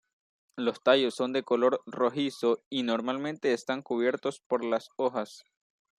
Los tallos son de color rojizo y normalmente están cubiertos por las hojas.